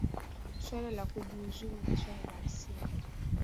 swala la kujiuzulu ni swala la msingi